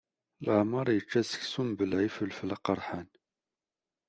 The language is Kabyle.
Laεmeṛ yečča seksu mbla ifelfel aqerḥan.